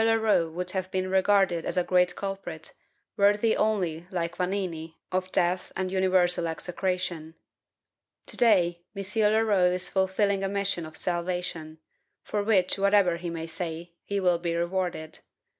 Leroux would have been regarded as a great culprit, worthy only (like Vanini) of death and universal execration. To day, M. Leroux is fulfilling a mission of salvation, for which, whatever he may say, he will be rewarded.